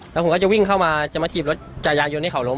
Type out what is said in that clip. แล้วผมก็จะวิ่งเข้ามาจะมาถีบรถจักรยานยนต์ให้เขาล้ม